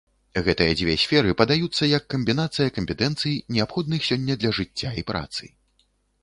Гэтыя дзве сферы падаюцца як камбінацыя кампетэнцый, неабходных сёння для жыцця і працы.